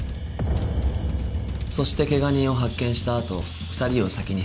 そして怪我人を発見したあと２人を先に部屋の中へ。